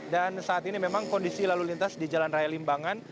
dan saat ini memang kondisi lalu lintas di jalan raya limbangan